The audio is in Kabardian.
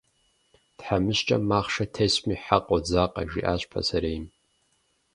«Тхьэмыщкӏэм махъшэ тесми хьэ къодзакъэ», жиӏащ пасэрейм.